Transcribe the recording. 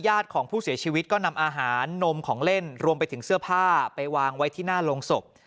ของผู้เสียชีวิตก็นำอาหารนมของเล่นรวมไปถึงเสื้อผ้าไปวางไว้ที่หน้าโรงศพ